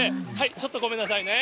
ちょっとごめんなさいね。